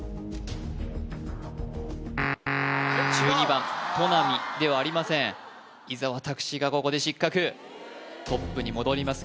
１２番となみではありません伊沢拓司がここで失格トップに戻ります